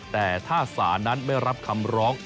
แต่ถ้าศาลนั้นไม่รับคำร้อง